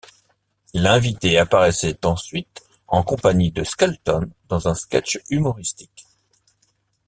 L'invité apparaissait ensuite en compagnie de Skelton dans un sketch humoristique.